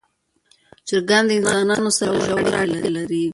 چرګان د انسانانو سره ژوره اړیکه لري.